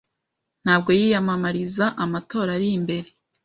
Ntabwo yiyamamariza amatora ari imbere.